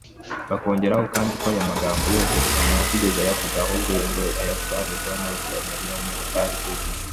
Bakongeraho kandi ko aya magambo yose Rusagara atigeze ayavuga ahubwo ngo ayatwererwa n’abatangabuhamya batari ‘credible’